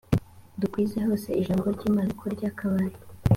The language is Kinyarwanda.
dukwize hose ijambo ry imana uko ryakabaye